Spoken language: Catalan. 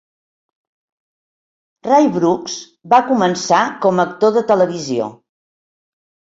Ray Brooks va començar com a actor de televisió.